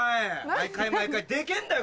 毎回毎回デケェんだよ